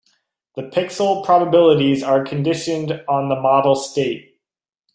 The pixel probabilities are conditioned on the model state.